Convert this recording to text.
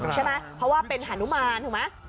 ใช่ไหมเพราะว่าเป็นฮานุมานถูกไหม